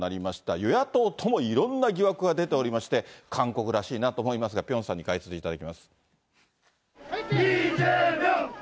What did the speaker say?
与野党ともいろんな疑惑が出ておりまして、韓国らしいなと思いますが、ピョンさんに解説いただきます。